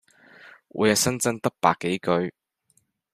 每日新增得百幾句